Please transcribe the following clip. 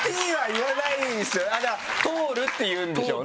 「トール」って言うんでしょうね。